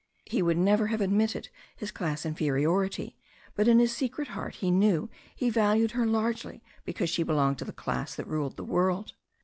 He would never have admitted his class inferiority, but in his secret heart he knew he valued her largely be cause she belonged to the class that ruled the world.